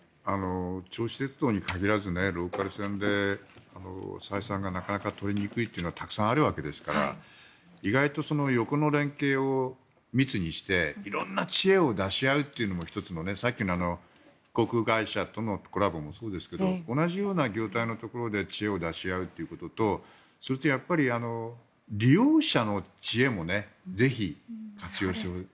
銚子電鉄に限らずローカル線で採算がなかなか取りにくいというのはたくさんあるわけですから意外と横の連携を密にして色んな知恵を出し合うというのも１つのねさっきの航空会社とのコラボもそうですが同じような業態のところで知恵を出し合うということとそれと、やっぱり利用者の知恵もぜひ活用してほしい。